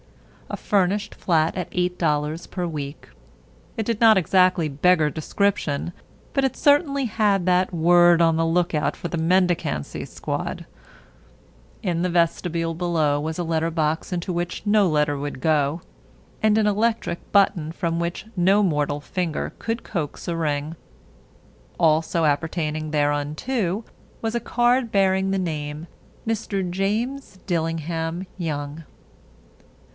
A furnished flat at $8 per week. It did not exactly beggar description, but it certainly had that word on the lookout for the mendicancy squad. In the vestibule below was a letter box into which no letter would go, and an electric button from which no mortal finger could coax a ring. Also appertaining thereunto was a card bearing the name "Mr. James Dillingham Young."